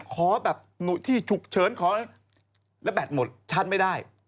ขอแบบที่ฉุกเฉินขอแล้วแบตหมดฉันไม่ได้